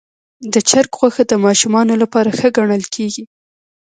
د چرګ غوښه د ماشومانو لپاره ښه ګڼل کېږي.